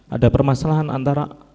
ada permasalahan antara